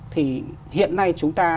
thì hiện nay chúng ta